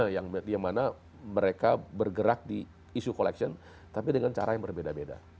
yang mana mereka bergerak di isu collection tapi dengan cara yang berbeda beda